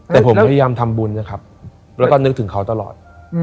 แต่ผมพยายามทำบุญนะครับแล้วก็นึกถึงเขาตลอด